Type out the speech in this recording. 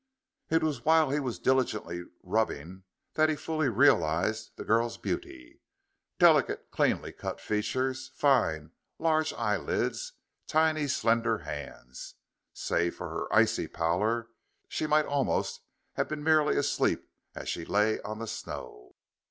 It was while he was diligently rubbing that he fully realized the girl's beauty. Delicate, cleanly cut features; fine, large eyelids; tiny, slender hands. Save for her icy pallor, she might almost have been merely asleep as she lay on the snow.